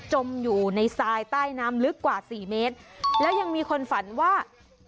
จมอยู่ในทรายใต้น้ำลึกกว่าสี่เมตรแล้วยังมีคนฝันว่า